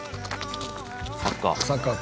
サッカー。